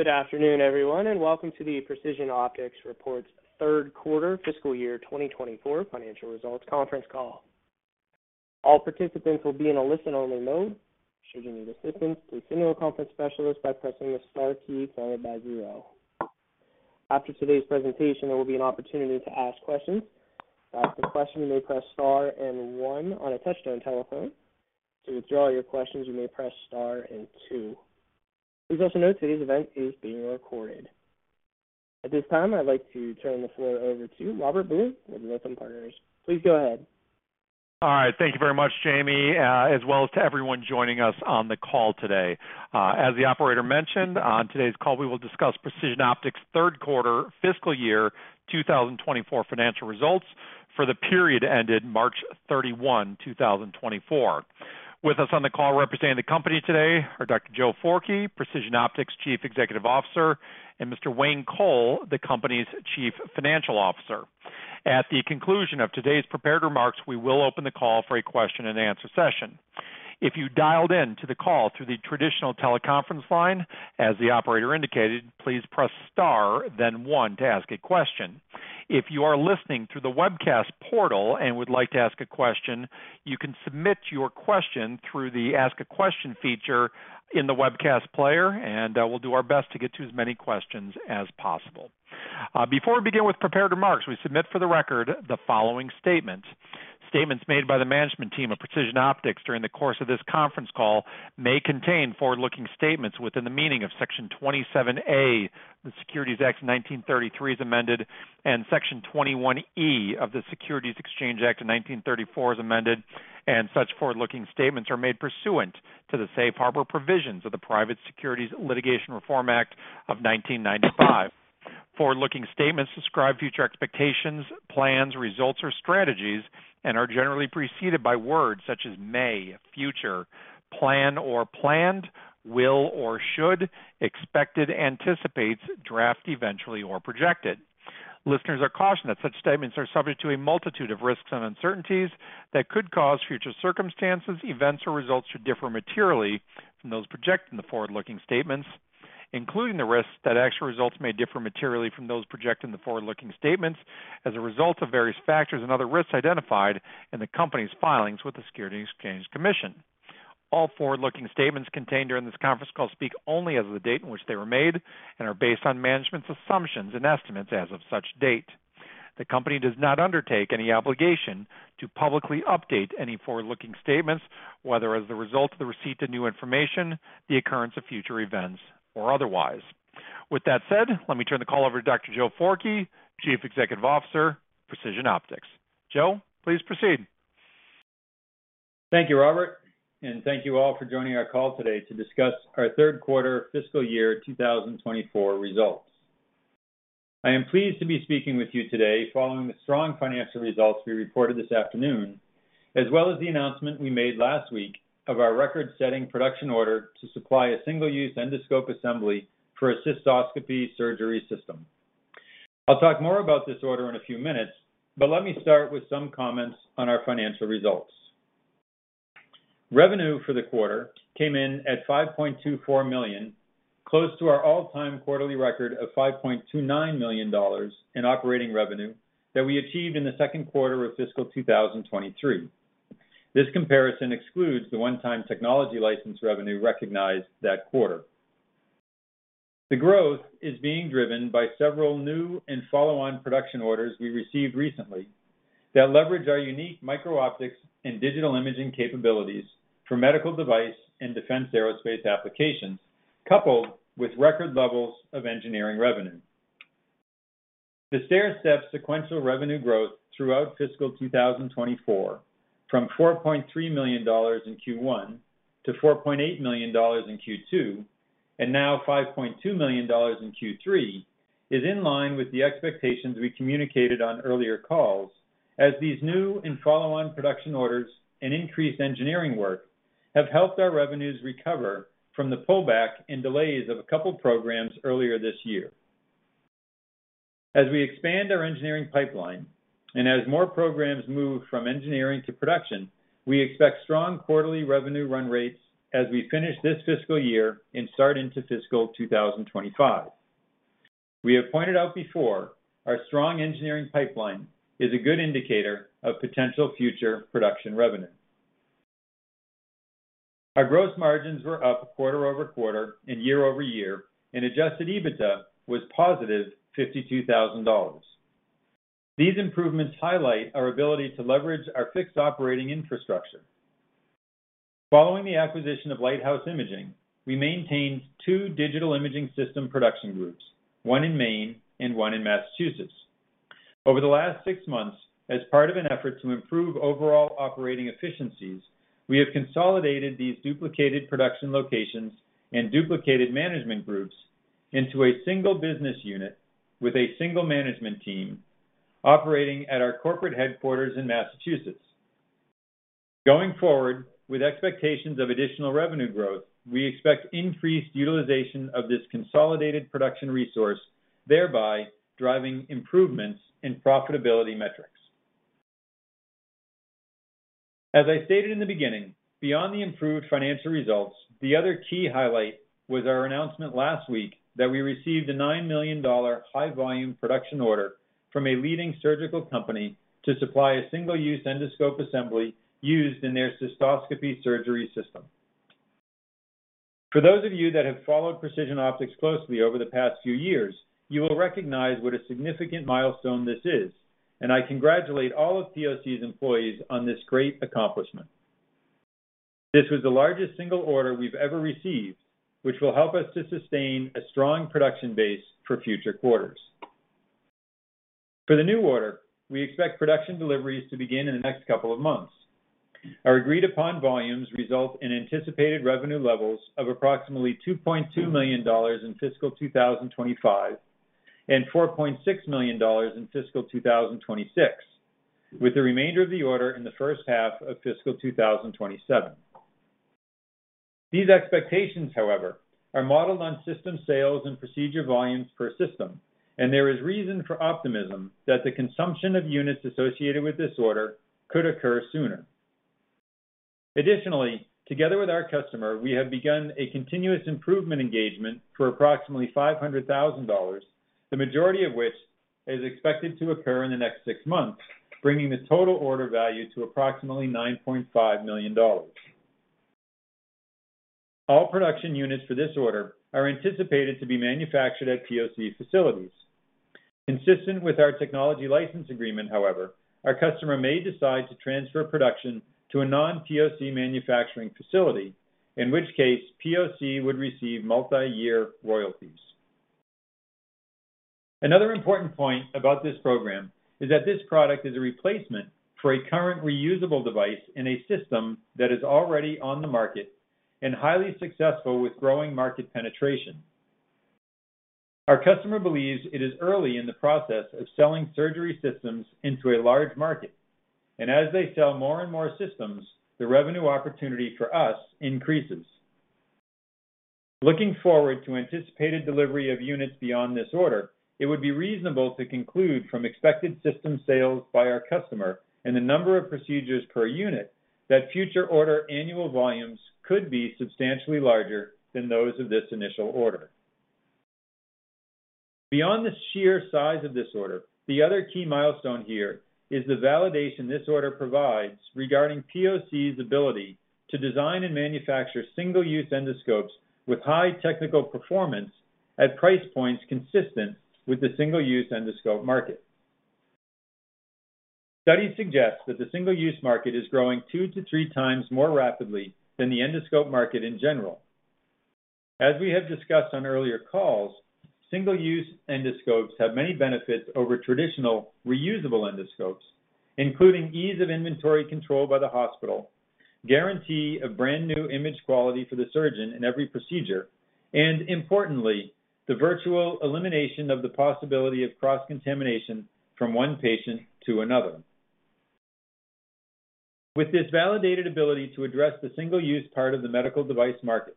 Good afternoon, everyone, and welcome to the Precision Optics reports third quarter fiscal year 2024 financial results conference call. All participants will be in a listen-only mode. Should you need assistance, please signal a conference specialist by pressing the Star key, followed by zero. After today's presentation, there will be an opportunity to ask questions. To ask a question, you may press Star and One on a touchtone telephone. To withdraw your questions, you may press Star and two. Please also note today's event is being recorded. At this time, I'd like to turn the floor over to Robert Blum with Lytham Partners. Please go ahead. All right, thank you very much, Jamie, as well as to everyone joining us on the call today. As the operator mentioned, on today's call, we will discuss Precision Optics' third quarter fiscal year 2024 financial results for the period ended March 31, 2024. With us on the call representing the company today are Dr. Joe Forkey, Precision Optics' Chief Executive Officer, and Mr. Wayne Coll, the company's Chief Financial Officer. At the conclusion of today's prepared remarks, we will open the call for a question-and-answer session. If you dialed in to the call through the traditional teleconference line, as the operator indicated, please press Star, then One to ask a question. If you are listening through the webcast portal and would like to ask a question, you can submit your question through the Ask a Question feature in the webcast player, and, we'll do our best to get to as many questions as possible. Before we begin with prepared remarks, we submit for the record the following statement. Statements made by the management team of Precision Optics during the course of this conference call may contain forward-looking statements within the meaning of Section 27A, the Securities Act of 1933, as amended, and Section 21E of the Securities Exchange Act of 1934, as amended, and such forward-looking statements are made pursuant to the safe harbor provisions of the Private Securities Litigation Reform Act of 1995. Forward-looking statements describe future expectations, plans, results, or strategies and are generally preceded by words such as may, future, plan or planned, will or should, expected, anticipates, draft, eventually, or projected. Listeners are cautioned that such statements are subject to a multitude of risks and uncertainties that could cause future circumstances, events, or results to differ materially from those projected in the forward-looking statements, including the risks that actual results may differ materially from those projected in the forward-looking statements as a result of various factors and other risks identified in the company's filings with the Securities and Exchange Commission. All forward-looking statements contained during this conference call speak only as of the date in which they were made and are based on management's assumptions and estimates as of such date. The company does not undertake any obligation to publicly update any forward-looking statements, whether as a result of the receipt of new information, the occurrence of future events, or otherwise. With that said, let me turn the call over to Dr. Joe Forkey, Chief Executive Officer, Precision Optics. Joe, please proceed. Thank you, Robert, and thank you all for joining our call today to discuss our third quarter fiscal year 2024 results. I am pleased to be speaking with you today following the strong financial results we reported this afternoon, as well as the announcement we made last week of our record-setting production order to supply a single-use endoscope assembly for a cystoscopy surgery system. I'll talk more about this order in a few minutes, but let me start with some comments on our financial results. Revenue for the quarter came in at $5.24 million, close to our all-time quarterly record of $5.29 million in operating revenue that we achieved in the second quarter of fiscal 2023. This comparison excludes the one-time technology license revenue recognized that quarter. The growth is being driven by several new and follow-on production orders we received recently, that leverage our unique microoptics and digital imaging capabilities for medical device and defense aerospace applications, coupled with record levels of engineering revenue. The stair-step sequential revenue growth throughout fiscal 2024, from $4.3 million in Q1 to $4.8 million in Q2, and now $5.2 million in Q3, is in line with the expectations we communicated on earlier calls, as these new and follow-on production orders and increased engineering work have helped our revenues recover from the pullback and delays of a couple programs earlier this year. As we expand our engineering pipeline and as more programs move from engineering to production, we expect strong quarterly revenue run rates as we finish this fiscal year and start into fiscal 2025. We have pointed out before, our strong engineering pipeline is a good indicator of potential future production revenue. Our gross margins were up quarter-over-quarter and year-over-year, and Adjusted EBITDA was positive $52,000. These improvements highlight our ability to leverage our fixed operating infrastructure. Following the acquisition of Lighthouse Imaging, we maintained two digital imaging system production groups, one in Maine and one in Massachusetts. Over the last six months, as part of an effort to improve overall operating efficiencies, we have consolidated these duplicated production locations and duplicated management groups into a single business unit with a single management team operating at our corporate headquarters in Massachusetts. Going forward, with expectations of additional revenue growth, we expect increased utilization of this consolidated production resource, thereby driving improvements in profitability metrics. As I stated in the beginning, beyond the improved financial results, the other key highlight was our announcement last week that we received a $9 million high volume production order from a leading surgical company to supply a single-use endoscope assembly used in their cystoscopy surgery system. For those of you that have followed Precision Optics closely over the past few years, you will recognize what a significant milestone this is, and I congratulate all of POC's employees on this great accomplishment. This was the largest single order we've ever received, which will help us to sustain a strong production base for future quarters. For the new order, we expect production deliveries to begin in the next couple of months. Our agreed-upon volumes result in anticipated revenue levels of approximately $2.2 million in fiscal 2025, and $4.6 million in fiscal 2026, with the remainder of the order in the first half of fiscal 2027. These expectations, however, are modeled on system sales and procedure volumes per system, and there is reason for optimism that the consumption of units associated with this order could occur sooner. Additionally, together with our customer, we have begun a continuous improvement engagement for approximately $500,000, the majority of which is expected to occur in the next 6 months, bringing the total order value to approximately $9.5 million. All production units for this order are anticipated to be manufactured at POC facilities. Consistent with our technology license agreement, however, our customer may decide to transfer production to a non-POC manufacturing facility, in which case POC would receive multiyear royalties. Another important point about this program is that this product is a replacement for a current reusable device in a system that is already on the market and highly successful with growing market penetration. Our customer believes it is early in the process of selling surgery systems into a large market, and as they sell more and more systems, the revenue opportunity for us increases. Looking forward to anticipated delivery of units beyond this order, it would be reasonable to conclude from expected system sales by our customer and the number of procedures per unit, that future order annual volumes could be substantially larger than those of this initial order. Beyond the sheer size of this order, the other key milestone here is the validation this order provides regarding POC's ability to design and manufacture single-use endoscopes with high technical performance at price points consistent with the single-use endoscope market. Studies suggest that the single-use market is growing 2-3 times more rapidly than the endoscope market in general. As we have discussed on earlier calls, single-use endoscopes have many benefits over traditional reusable endoscopes, including ease of inventory control by the hospital, guarantee of brand-new image quality for the surgeon in every procedure, and importantly, the virtual elimination of the possibility of cross-contamination from one patient to another. With this validated ability to address the single-use part of the medical device market,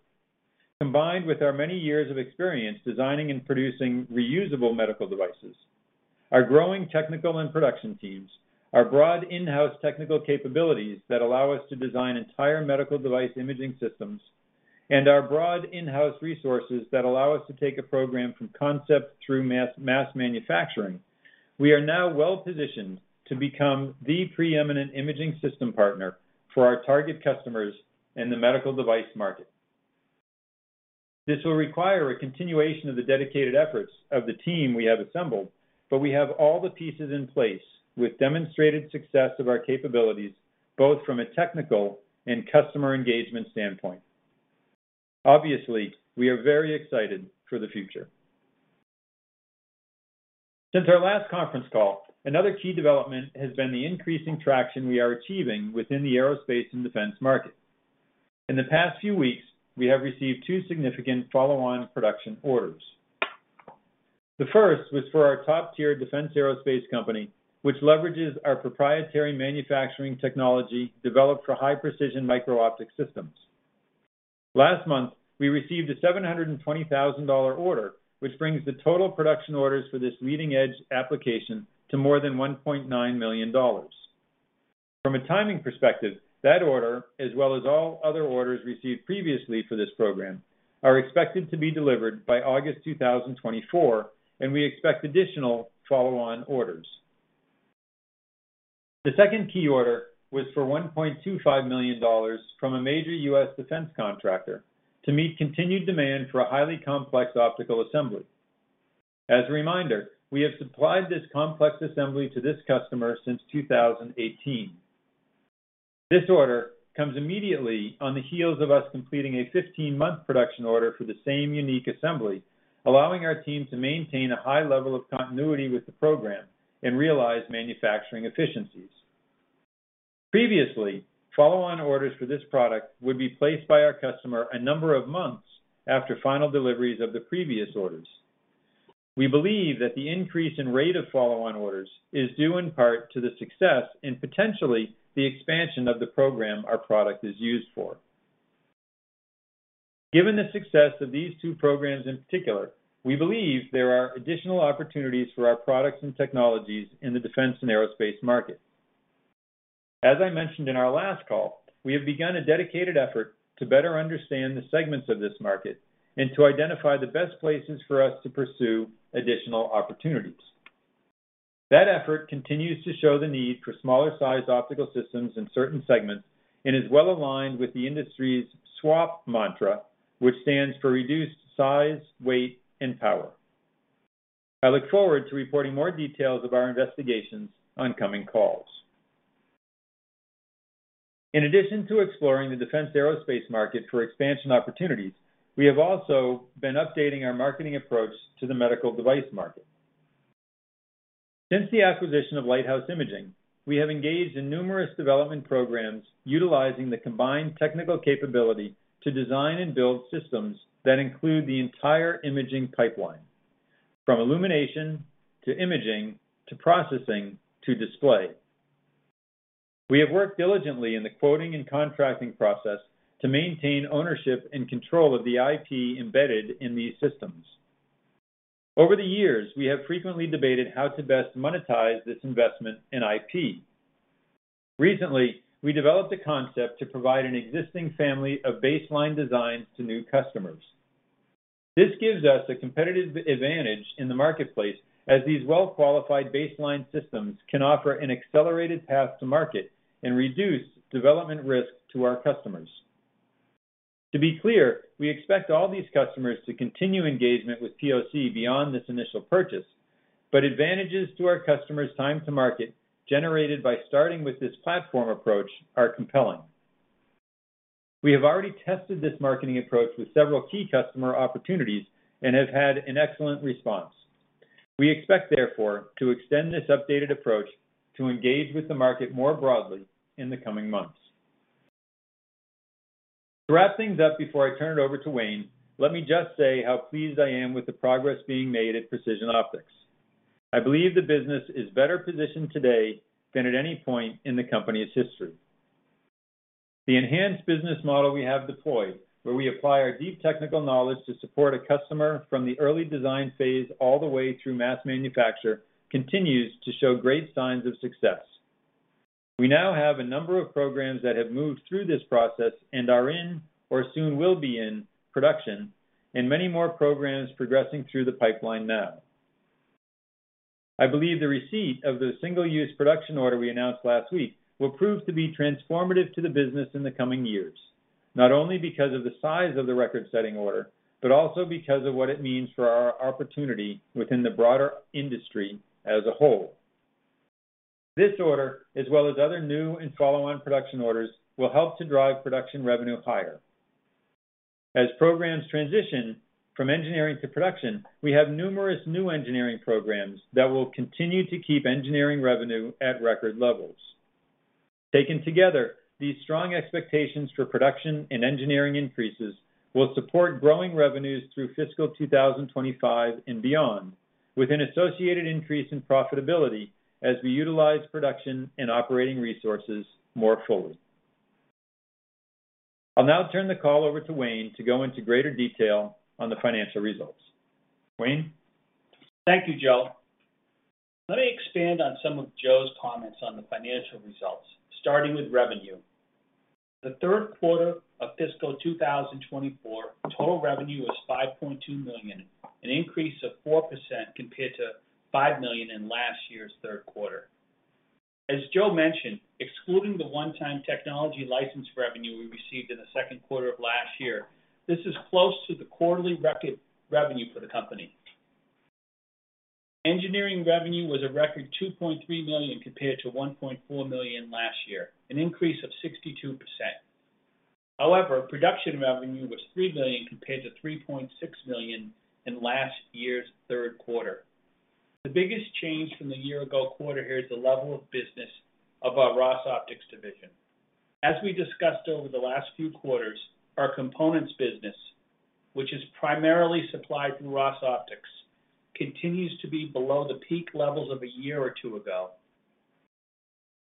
combined with our many years of experience designing and producing reusable medical devices, our growing technical and production teams, our broad in-house technical capabilities that allow us to design entire medical device imaging systems, and our broad in-house resources that allow us to take a program from concept through mass manufacturing, we are now well positioned to become the preeminent imaging system partner for our target customers in the medical device market. This will require a continuation of the dedicated efforts of the team we have assembled, but we have all the pieces in place, with demonstrated success of our capabilities, both from a technical and customer engagement standpoint. Obviously, we are very excited for the future. Since our last conference call, another key development has been the increasing traction we are achieving within the aerospace and defense market. In the past few weeks, we have received two significant follow-on production orders. The first was for our top-tier defense aerospace company, which leverages our proprietary manufacturing technology developed for high-precision micro-optics systems. Last month, we received a $720,000 order, which brings the total production orders for this leading-edge application to more than $1.9 million. From a timing perspective, that order, as well as all other orders received previously for this program, are expected to be delivered by August 2024, and we expect additional follow-on orders. The second key order was for $1.25 million from a major U.S. defense contractor to meet continued demand for a highly complex optical assembly. As a reminder, we have supplied this complex assembly to this customer since 2018. This order comes immediately on the heels of us completing a 15-month production order for the same unique assembly, allowing our team to maintain a high level of continuity with the program and realize manufacturing efficiencies. Previously, follow-on orders for this product would be placed by our customer a number of months after final deliveries of the previous orders. We believe that the increase in rate of follow-on orders is due in part to the success and potentially the expansion of the program our product is used for. Given the success of these two programs in particular, we believe there are additional opportunities for our products and technologies in the defense and aerospace market. As I mentioned in our last call, we have begun a dedicated effort to better understand the segments of this market, and to identify the best places for us to pursue additional opportunities. That effort continues to show the need for smaller sized optical systems in certain segments, and is well aligned with the industry's SWaP mantra, which stands for Reduced Size, Weight, and Power. I look forward to reporting more details of our investigations on coming calls. In addition to exploring the defense aerospace market for expansion opportunities, we have also been updating our marketing approach to the medical device market. Since the acquisition of Lighthouse Imaging, we have engaged in numerous development programs utilizing the combined technical capability to design and build systems that include the entire imaging pipeline, from illumination, to imaging, to processing, to display. We have worked diligently in the quoting and contracting process to maintain ownership and control of the IP embedded in these systems. Over the years, we have frequently debated how to best monetize this investment in IP. Recently, we developed a concept to provide an existing family of baseline designs to new customers. This gives us a competitive advantage in the marketplace, as these well-qualified baseline systems can offer an accelerated path to market and reduce development risk to our customers. To be clear, we expect all these customers to continue engagement with POC beyond this initial purchase, but advantages to our customers' time to market, generated by starting with this platform approach, are compelling. We have already tested this marketing approach with several key customer opportunities and have had an excellent response. We expect, therefore, to extend this updated approach to engage with the market more broadly in the coming months. To wrap things up before I turn it over to Wayne, let me just say how pleased I am with the progress being made at Precision Optics. I believe the business is better positioned today than at any point in the company's history. The enhanced business model we have deployed, where we apply our deep technical knowledge to support a customer from the early design phase all the way through mass manufacture, continues to show great signs of success. We now have a number of programs that have moved through this process and are in, or soon will be in, production, and many more programs progressing through the pipeline now. I believe the receipt of the single-use production order we announced last week, will prove to be transformative to the business in the coming years, not only because of the size of the record-setting order, but also because of what it means for our opportunity within the broader industry as a whole. This order, as well as other new and follow-on production orders, will help to drive production revenue higher. As programs transition from engineering to production, we have numerous new engineering programs that will continue to keep engineering revenue at record levels. Taken together, these strong expectations for production and engineering increases will support growing revenues through fiscal 2025 and beyond, with an associated increase in profitability as we utilize production and operating resources more fully. I'll now turn the call over to Wayne to go into greater detail on the financial results. Wayne? Thank you, Joe. Let me expand on some of Joe's comments on the financial results, starting with revenue. The third quarter of fiscal 2024, total revenue was $5.2 million, an increase of 4% compared to $5 million in last year's third quarter. As Joe mentioned, excluding the one-time technology license revenue we received in the second quarter of last year, this is close to the quarterly recurring revenue for the company. Engineering revenue was a record $2.3 million compared to $1.4 million last year, an increase of 62%. However, production revenue was $3 million compared to $3.6 million in last year's third quarter. The biggest change from the year-ago quarter here is the level of business of our Ross Optical division. As we discussed over the last few quarters, our components business, which is primarily supplied through Ross Optics, continues to be below the peak levels of a year or two ago.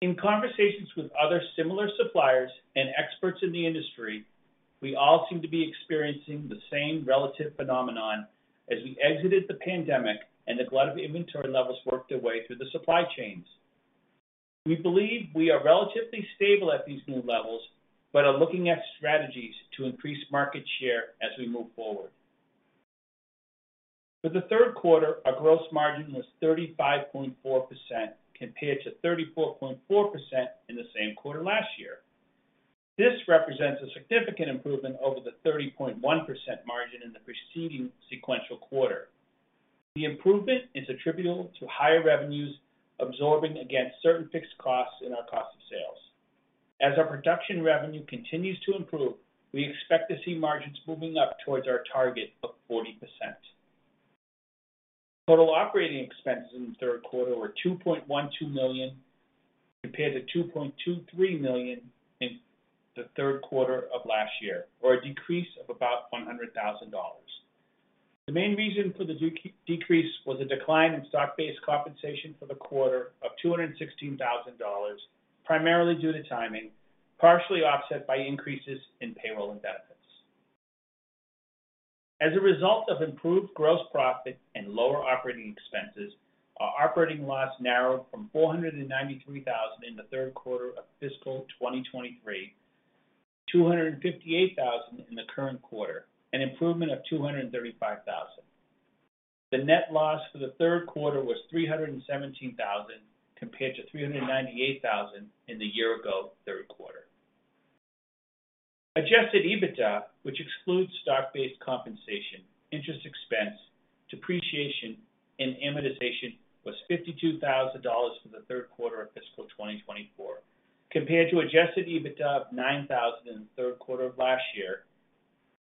In conversations with other similar suppliers and experts in the industry, we all seem to be experiencing the same relative phenomenon as we exited the pandemic, and the glut of inventory levels worked their way through the supply chains. We believe we are relatively stable at these new levels, but are looking at strategies to increase market share as we move forward. For the third quarter, our gross margin was 35.4%, compared to 34.4% in the same quarter last year. This represents a significant improvement over the 30.1% margin in the preceding sequential quarter. The improvement is attributable to higher revenues absorbing against certain fixed costs in our cost of sales. As our production revenue continues to improve, we expect to see margins moving up towards our target of 40%. Total operating expenses in the third quarter were $2.12 million, compared to $2.23 million in the third quarter of last year, or a decrease of about $100,000. The main reason for the decrease was a decline in stock-based compensation for the quarter of $216,000, primarily due to timing, partially offset by increases in payroll and benefits. As a result of improved gross profit and lower operating expenses, our operating loss narrowed from $493,000 in the third quarter of fiscal 2023, to $258,000 in the current quarter, an improvement of $235,000. The net loss for the third quarter was $317,000, compared to $398,000 in the year-ago third quarter. Adjusted EBITDA, which excludes stock-based compensation, interest expense, depreciation, and amortization, was $52,000 for the third quarter of fiscal 2024, compared to adjusted EBITDA of $9,000 in the third quarter of last year,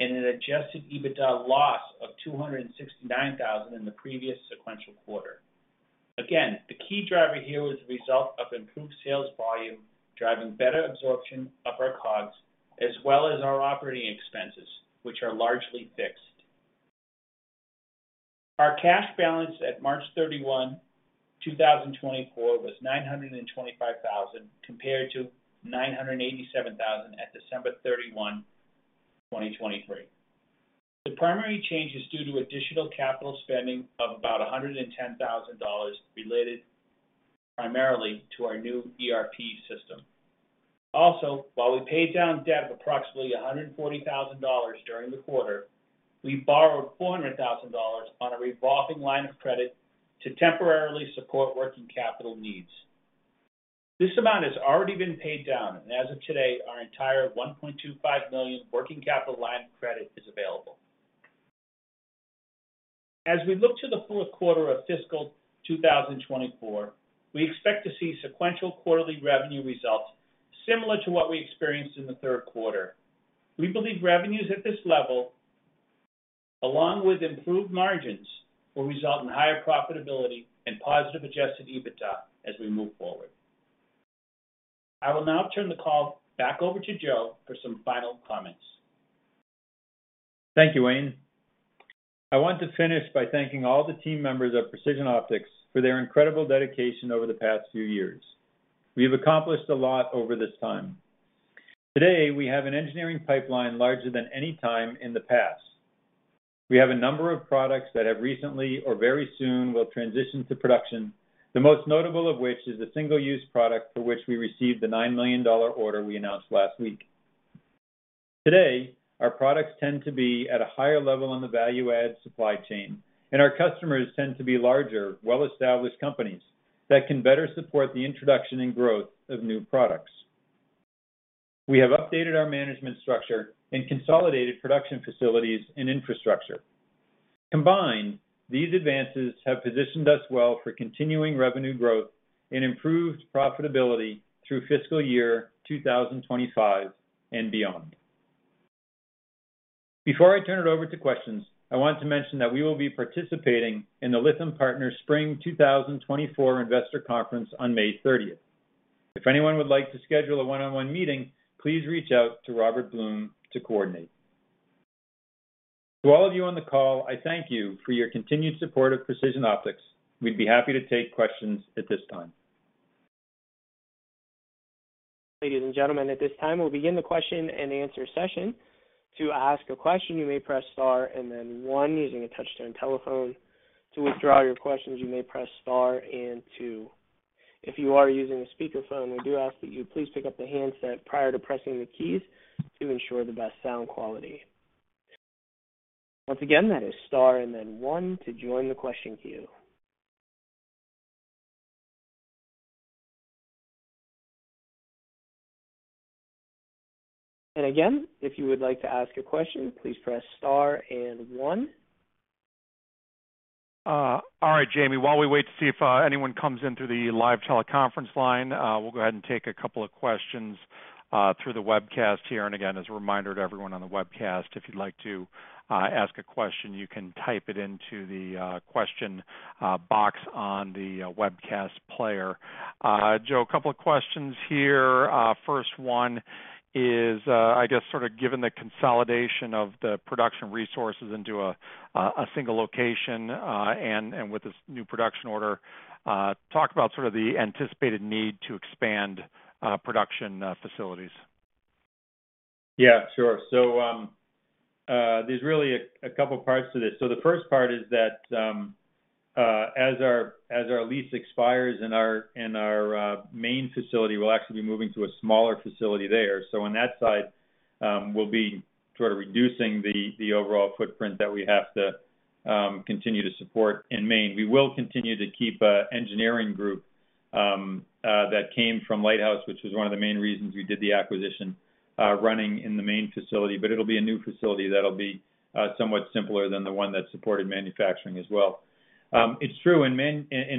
and an adjusted EBITDA loss of $269,000 in the previous sequential quarter. Again, the key driver here was a result of improved sales volume, driving better absorption of our COGS, as well as our operating expenses, which are largely fixed. Our cash balance at March 31, 2024, was $925,000, compared to $987,000 at December 31, 2023. The primary change is due to additional capital spending of about $110,000, related primarily to our new ERP system. Also, while we paid down debt of approximately $140,000 during the quarter, we borrowed $400,000 on a revolving line of credit to temporarily support working capital needs. This amount has already been paid down, and as of today, our entire $1.25 million working capital line of credit is available. As we look to the fourth quarter of fiscal 2024, we expect to see sequential quarterly revenue results similar to what we experienced in the third quarter. We believe revenues at this level, along with improved margins, will result in higher profitability and positive Adjusted EBITDA as we move forward. I will now turn the call back over to Joe for some final comments. Thank you, Wayne. I want to finish by thanking all the team members of Precision Optics for their incredible dedication over the past few years. We have accomplished a lot over this time. Today, we have an engineering pipeline larger than any time in the past. We have a number of products that have recently or very soon will transition to production, the most notable of which is a single-use product for which we received the $9 million order we announced last week. Today, our products tend to be at a higher level on the value-add supply chain, and our customers tend to be larger, well-established companies, that can better support the introduction and growth of new products. We have updated our management structure and consolidated production facilities and infrastructure. Combined, these advances have positioned us well for continuing revenue growth and improved profitability through fiscal year 2025 and beyond. Before I turn it over to questions, I want to mention that we will be participating in the Lytham Partners Spring 2024 Investor Conference on May 30th. If anyone would like to schedule a one-on-one meeting, please reach out to Robert Blum to coordinate. To all of you on the call, I thank you for your continued support of Precision Optics. We'd be happy to take questions at this time. Ladies and gentlemen, at this time, we'll begin the question-and-answer session. To ask a question, you may press star and then one using a touch-tone telephone. To withdraw your questions, you may press star and two. If you are using a speakerphone, we do ask that you please pick up the handset prior to pressing the keys to ensure the best sound quality. Once again, that is star and then one to join the question queue. Again, if you would like to ask a question, please press star and one. All right, Jamie, while we wait to see if anyone comes in through the live teleconference line, we'll go ahead and take a couple of questions through the webcast here. And again, as a reminder to everyone on the webcast, if you'd like to ask a question, you can type it into the question box on the webcast player. Joe, a couple of questions here. First one is, I guess, sort of given the consolidation of the production resources into a single location, and with this new production order, talk about sort of the anticipated need to expand production facilities. Yeah, sure. So, there's really a couple parts to this. So the first part is that, as our lease expires in our main facility, we'll actually be moving to a smaller facility there. So on that side, we'll be sort of reducing the overall footprint that we have to continue to support in Maine. We will continue to keep a engineering group that came from Lighthouse, which was one of the main reasons we did the acquisition, running in the main facility. But it'll be a new facility that'll be somewhat simpler than the one that supported manufacturing as well. It's true in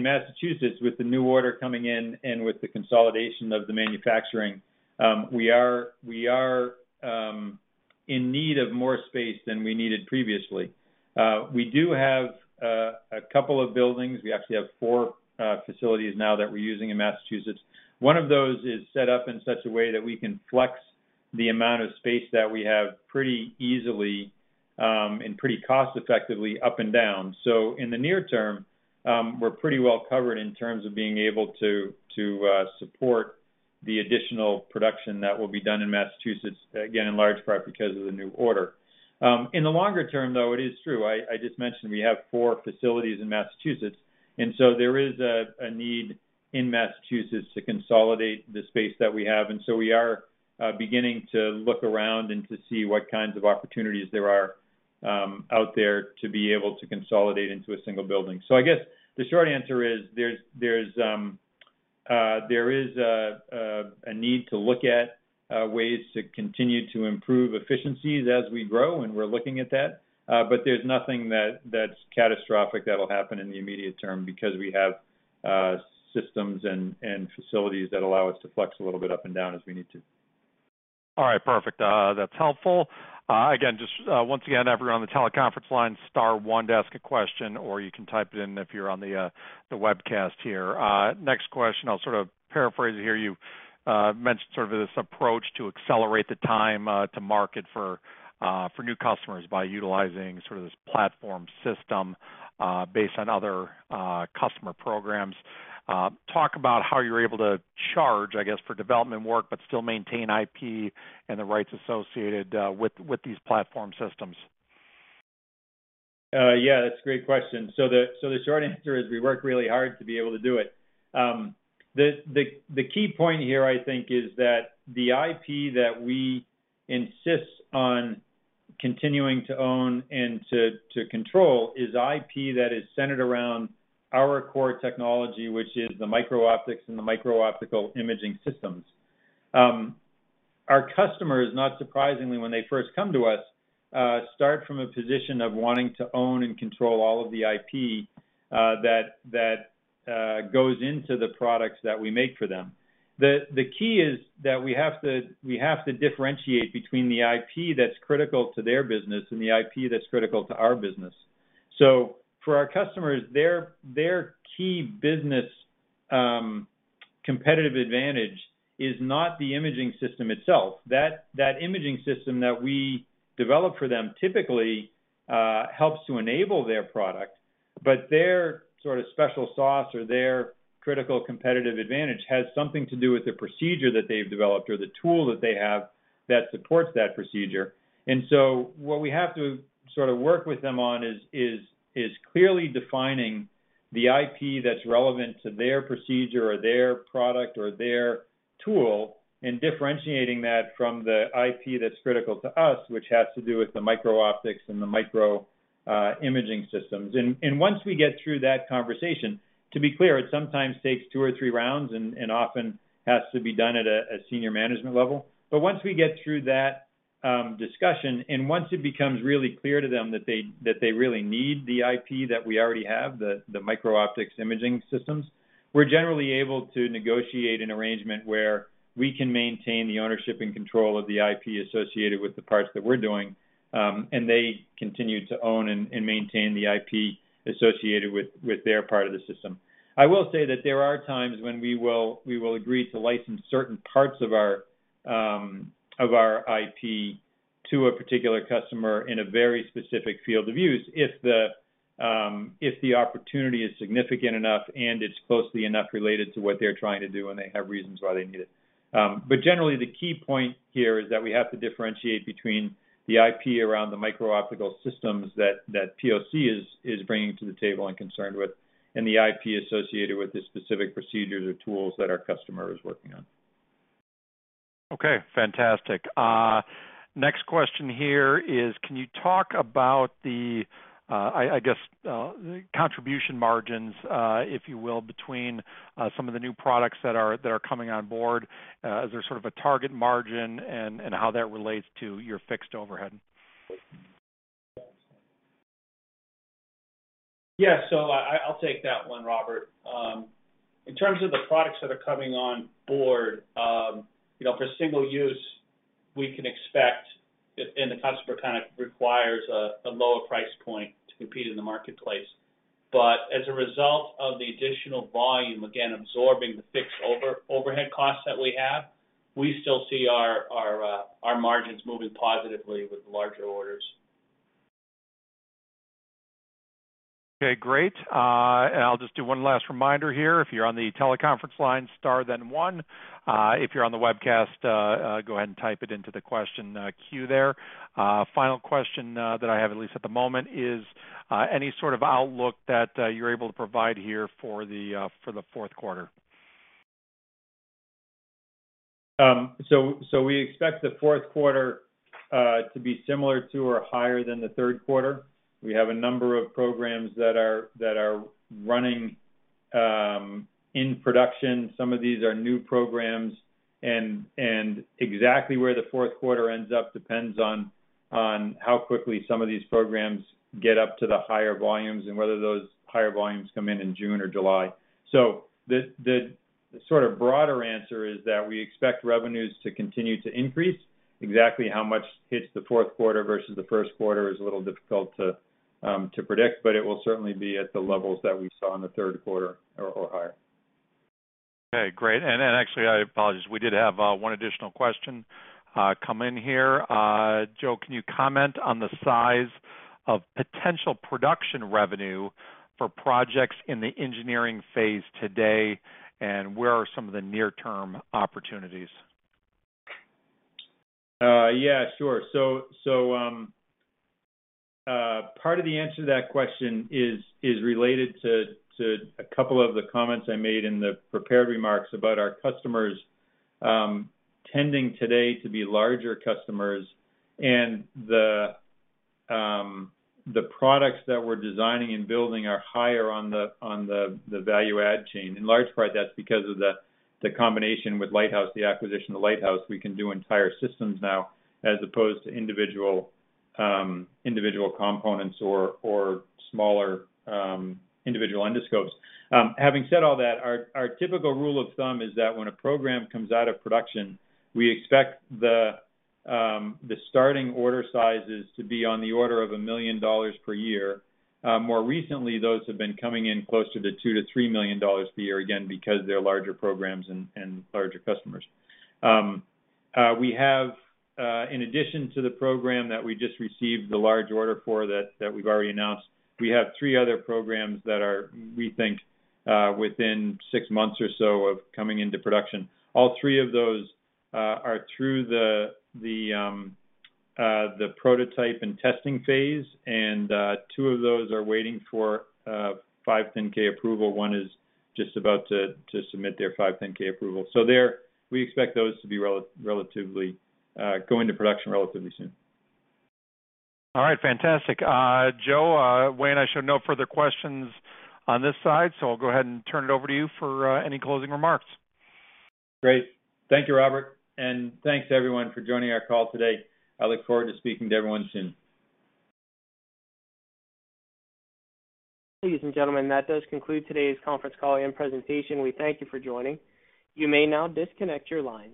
Massachusetts, with the new order coming in and with the consolidation of the manufacturing, we are, we are, in need of more space than we needed previously. We do have a couple of buildings. We actually have four facilities now that we're using in Massachusetts. One of those is set up in such a way that we can flex the amount of space that we have pretty easily, and pretty cost-effectively up and down. So in the near term, we're pretty well covered in terms of being able to support the additional production that will be done in Massachusetts, again, in large part because of the new order. In the longer term, though, it is true. I just mentioned we have 4 facilities in Massachusetts, and so there is a need in Massachusetts to consolidate the space that we have. And so we are beginning to look around and to see what kinds of opportunities there are out there to be able to consolidate into a single building. So I guess the short answer is there is a need to look at ways to continue to improve efficiencies as we grow, and we're looking at that. But there's nothing that's catastrophic that'll happen in the immediate term because we have systems and facilities that allow us to flex a little bit up and down as we need to. All right, perfect. That's helpful. Again, just, once again, everyone on the teleconference line, star one to ask a question, or you can type it in if you're on the webcast here. Next question, I'll sort of paraphrase it here. You mentioned sort of this approach to accelerate the time to market for new customers by utilizing sort of this platform system based on other customer programs. Talk about how you're able to charge, I guess, for development work, but still maintain IP and the rights associated with these platform systems. Yeah, that's a great question. So the short answer is we work really hard to be able to do it. The key point here, I think, is that the IP that we insist on continuing to own and to control is IP that is centered around our core technology, which is the micro-optics and the micro-optical imaging systems. Our customers, not surprisingly, when they first come to us, start from a position of wanting to own and control all of the IP that goes into the products that we make for them. The key is that we have to differentiate between the IP that's critical to their business and the IP that's critical to our business. So for our customers, their key business competitive advantage is not the imaging system itself. That, that imaging system that we develop for them typically helps to enable their product, but their sort of special sauce or their critical competitive advantage has something to do with the procedure that they've developed or the tool that they have that supports that procedure. And so what we have to sort of work with them on is clearly defining the IP that's relevant to their procedure or their product or their tool, and differentiating that from the IP that's critical to us, which has to do with the micro-optics and the micro imaging systems. And once we get through that conversation, to be clear, it sometimes takes two or three rounds and often has to be done at a senior management level. But once we get through that discussion, and once it becomes really clear to them that they really need the IP that we already have, the micro-optics imaging systems, we're generally able to negotiate an arrangement where we can maintain the ownership and control of the IP associated with the parts that we're doing, and they continue to own and maintain the IP associated with their part of the system. I will say that there are times when we will agree to license certain parts of our IP to a particular customer in a very specific field of use, if the opportunity is significant enough and it's closely enough related to what they're trying to do and they have reasons why they need it. But generally, the key point here is that we have to differentiate between the IP around the micro-optical systems that POC is bringing to the table and concerned with, and the IP associated with the specific procedures or tools that our customer is working on. Okay, fantastic. Next question here is, can you talk about the, I guess, the contribution margins, if you will, between some of the new products that are coming on board? Is there sort of a target margin and how that relates to your fixed overhead? Yeah, so I, I'll take that one, Robert. In terms of the products that are coming on board, you know, for single use, we can expect, and the customer kind of requires a lower price point to compete in the marketplace. But as a result of the additional volume, again, absorbing the fixed overhead costs that we have, we still see our margins moving positively with larger orders. Okay, great. And I'll just do one last reminder here. If you're on the teleconference line, star, then one. If you're on the webcast, go ahead and type it into the question queue there. Final question that I have, at least at the moment, is any sort of outlook that you're able to provide here for the fourth quarter? So we expect the fourth quarter to be similar to or higher than the third quarter. We have a number of programs that are running in production. Some of these are new programs, and exactly where the fourth quarter ends up depends on how quickly some of these programs get up to the higher volumes and whether those higher volumes come in in June or July. So the sort of broader answer is that we expect revenues to continue to increase. Exactly how much hits the fourth quarter versus the first quarter is a little difficult to predict, but it will certainly be at the levels that we saw in the third quarter or higher. ... Okay, great. And then actually, I apologize, we did have one additional question come in here. Joe, can you comment on the size of potential production revenue for projects in the engineering phase today? And where are some of the near-term opportunities? Yeah, sure. So, part of the answer to that question is related to a couple of the comments I made in the prepared remarks about our customers tending today to be larger customers, and the products that we're designing and building are higher on the value add chain. In large part, that's because of the combination with Lighthouse, the acquisition of Lighthouse. We can do entire systems now, as opposed to individual components or smaller individual endoscopes. Having said all that, our typical rule of thumb is that when a program comes out of production, we expect the starting order sizes to be on the order of $1 million per year. More recently, those have been coming in closer to $2 million-$3 million per year, again, because they're larger programs and larger customers. We have, in addition to the program that we just received the large order for that we've already announced, we have three other programs that are, we think, within six months or so of coming into production. All three of those are through the prototype and testing phase, and two of those are waiting for 510(k) approval. One is just about to submit their 510(k) approval. So there, we expect those to be relatively go into production relatively soon. All right. Fantastic! Joe, Wayne, I show no further questions on this side, so I'll go ahead and turn it over to you for any closing remarks. Great. Thank you, Robert, and thanks to everyone for joining our call today. I look forward to speaking to everyone soon. Ladies and gentlemen, that does conclude today's conference call and presentation. We thank you for joining. You may now disconnect your lines.